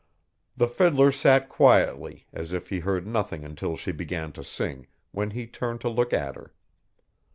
The fiddler sat quietly as if he heard nothing until she began to sing, when he turned to look at her.